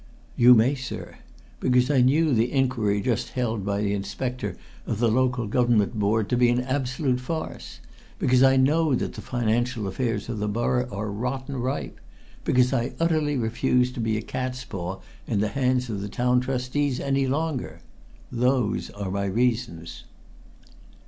"You may, sir. Because I knew the inquiry just held by the Inspector of the Local Government Board to be an absolute farce! Because I know that the financial affairs of the borough are rotten ripe! Because I utterly refuse to be a cat's paw in the hands of the Town Trustees any longer! Those are my reasons."